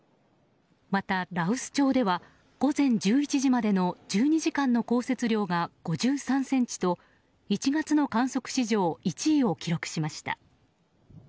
また、羅臼町では午前１１時までの１２時間の降雪量が５３ｃｍと１月の観測史上１位を記録しました。